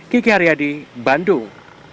kiki haryadi bandung